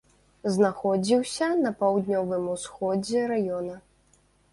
Знаходзіўся на паўднёвым усходзе раёна.